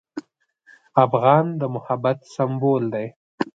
افغان د محبت سمبول دی.